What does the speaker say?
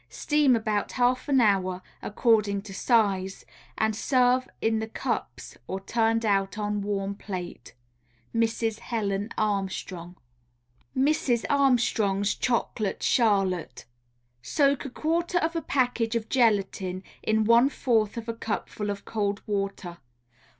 Steam about half an hour (according to size) and serve in the cups or turned out on warm plate. Mrs. Helen Armstrong. MRS. ARMSTRONG'S CHOCOLATE CHARLOTTE Soak a quarter of a package of gelatine in one fourth of a cupful of cold water.